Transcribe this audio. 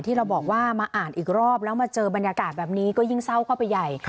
ที่เราบอกว่ามาอ่านอีกรอบแล้วมาเจอบรรยากาศแบบนี้ก็ยิ่งเศร้าเข้าไปใหญ่